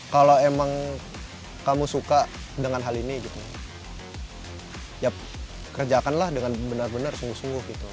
kalau emang kamu suka dengan hal ini ya kerjakanlah dengan benar benar sungguh sungguh gitu